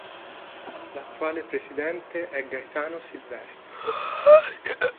L'attuale presidente è Gaetano Silvestri.